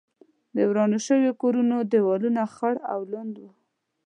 د ورانو شوو کورونو دېوالونه خړ او لوند و.